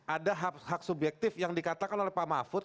ada hak subjektif yang dikatakan oleh pak mahfud